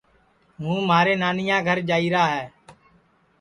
ہوں مھارے نانیا گھر جائیرا ہے